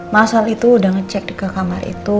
mas al itu udah ngecek ke kamar itu